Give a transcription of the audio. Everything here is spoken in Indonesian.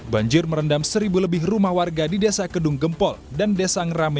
banjir merendam seribu lebih rumah warga di desa kedung gempol dan desa ngerame